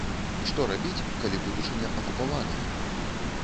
Што рабіць, калі будучыня акупаваная?